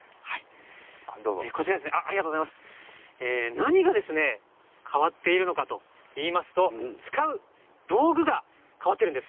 何が変わっているのかといいますと使う道具が変わっているんです。